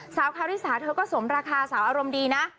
คาริสาเธอก็สมราคาสาวอารมณ์ดีนะ